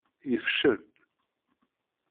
Yefcel.